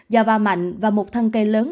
giò va mạnh và một thăng cây lớn